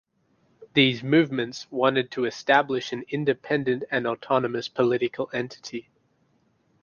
These movements wanted to establish an independent and autonomous political entity.